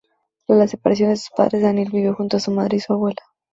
Tras la separación de sus padres, Daniel vivió junto a su madre y abuela.